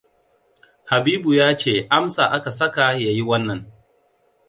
Habibua ya ce Amsa aka saka ya yi wannan.